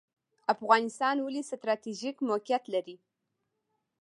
افغانستان ولې ستراتیژیک موقعیت لري؟